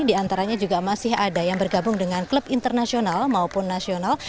di antaranya juga masih ada yang bergabung dengan klub internasional maupun nasional